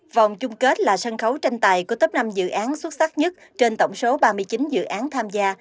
vòng chung kết là sân khấu tranh tài của tấp năm dự án xuất sắc nhất trên tổng số ba mươi chín dự án tham gia